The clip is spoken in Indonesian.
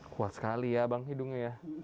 kuat sekali ya bang hidungnya ya